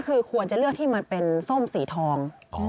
คือควรจะเลือกที่มันเป็นส้มสีทอง